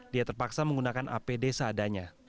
dia terpaksa menggunakan apd seadanya